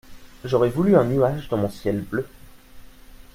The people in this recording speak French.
J'aurais voulu un nuage dans mon ciel bleu.